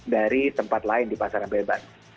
dari tempat lain di pasaran bebas